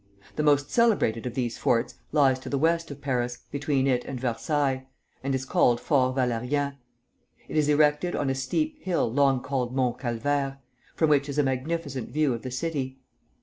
The most celebrated of these forts lies to the west of Paris, between it and Versailles, and is called Fort Valérien It is erected on a steep hill long called Mont Calvaire, from which is a magnificent view of the city.